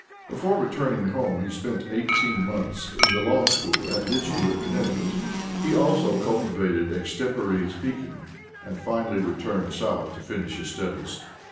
Before returning home he spent eighteen months in the law school at Litchfield, Connecticut. He also cultivated extempore speaking, and finally returned South to finish his studies.